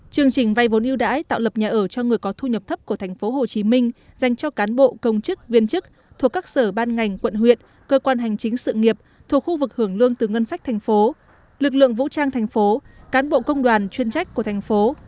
chương trình vay vốn yêu đãi tạo lập nhà ở cho người có thu nhập thấp của tp hcm dành cho cán bộ công chức viên chức thuộc các sở ban ngành quận huyện cơ quan hành chính sự nghiệp thuộc khu vực hưởng lương từ ngân sách thành phố lực lượng vũ trang thành phố cán bộ công đoàn chuyên trách của thành phố